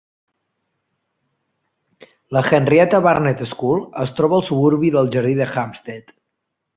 La Henrietta Barnett School es troba al suburbi del jardí de Hampstead.